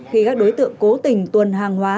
khi các đối tượng cố tình tuần hàng hóa